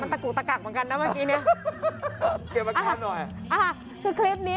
มันตากุตกรักเหมือนกันนะเมื่อกี้เนี้ยเก็บมาก่อนหน่อยคือคลิปนี้